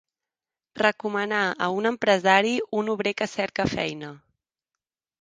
Recomanar a un empresari un obrer que cerca feina.